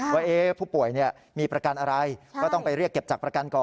ว่าผู้ป่วยมีประกันอะไรก็ต้องไปเรียกเก็บจากประกันก่อน